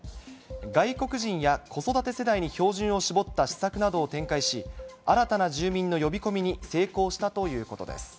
外国人や子育て世代に照準を絞った施策などを展開し、新たな住民の呼び込みに成功したということです。